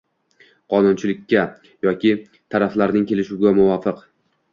qonunchilikka yoki taraflarning kelishuviga muvofiq